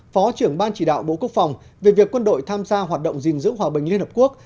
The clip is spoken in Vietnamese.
phó trưởng ban chỉ đạo bộ quốc phòng về việc quân đội tham gia hoạt động gìn giữ hòa bình liên hợp quốc